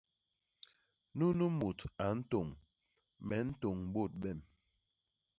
Nunu mut a ntôñ; me ntôñ bôt bem.